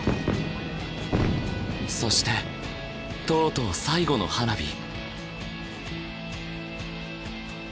そしてとうとう最後の花火。